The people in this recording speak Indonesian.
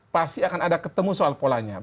pasti akan ada ketemu soal polanya